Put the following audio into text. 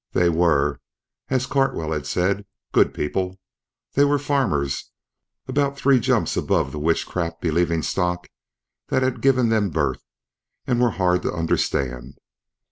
They were, as Cartwell had said, good people. They were farmers, about three jumps above the witchcraft believing stock that had given them birth and were hard to understand.